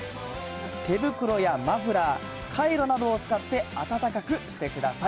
手袋やマフラー、かいろなどを使って、暖かくしてください。